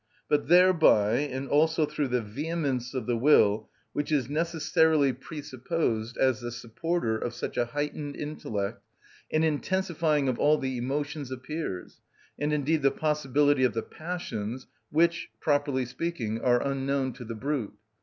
But thereby, and also through the vehemence of the will, which is necessarily presupposed as the supporter of such a heightened intellect, an intensifying of all the emotions appears, and indeed the possibility of the passions, which, properly speaking, are unknown to the brute.